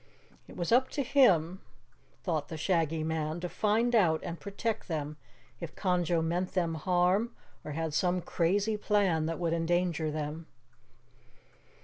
It was up to him, thought the Shaggy Man, to find out and protect them if Conjo meant them harm or had some crazy plan that would endanger them.